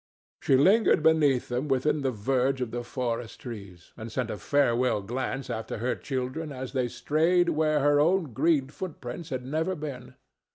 She lingered beneath them within the verge of the forest trees, and sent a farewell glance after her children as they strayed where her own green footprints had never been.